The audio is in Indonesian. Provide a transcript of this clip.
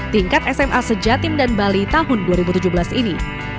tingkat sma sejatim dan bali tahun dua ribu tujuh belas ini